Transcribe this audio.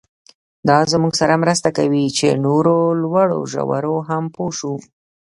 دا زموږ سره مرسته کوي چې نورو لوړو ژورو هم پوه شو.